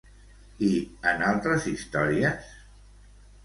I en altres històries?